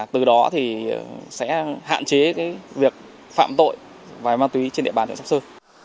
từ đó thì sẽ hạn chế cái việc phạm tội vài ma túy trên địa bàn được sắp sơ